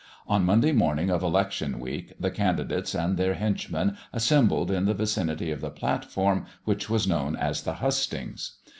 On Monday morning of election week the candidates and their henchmen assembled in the vicinity of the platform, which was known as the hustings.